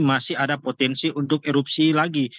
masih ada potensi untuk erupsi lagi